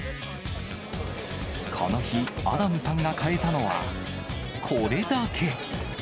この日、アダムさんが買えたのは、これだけ。